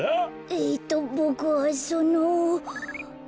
えっとボクはその。